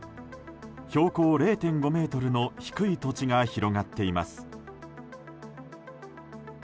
標高０．５ｍの低い土地が広がっています。